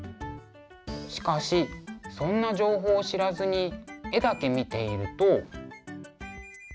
しかしそんな情報を知らずに絵だけ見ていると。